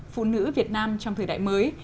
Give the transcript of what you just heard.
phụ nữ việt nam trong thời đại mới